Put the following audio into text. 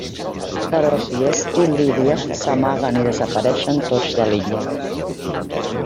Però si és il·líria, s'amaguen i desapareixen tots de l'illa.